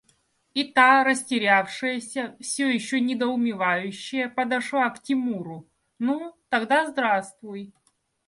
И та, растерявшаяся, все еще недоумевающая, подошла к Тимуру: – Ну… тогда здравствуй…